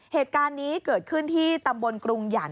เหตุการณ์นี้เกิดขึ้นที่ตำบลกรุงหยัน